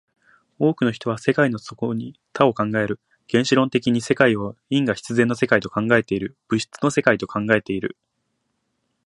多くの人は世界の底に多を考える、原子論的に世界を因果必然の世界と考えている、物質の世界と考えている。